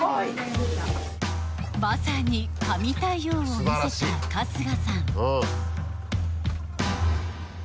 まさに神対応を見せた春日さん